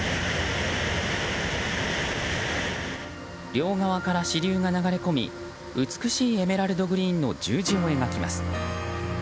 両側から支流が流れ込み美しいエメラルドグリーンの十字を描きます。